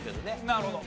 なるほど。